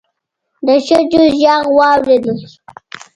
د ښځې غږ واوريدل شو.